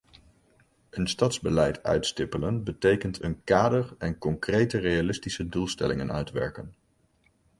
Een stadsbeleid uitstippelen betekent een kader en concrete, realistische doelstellingen uitwerken.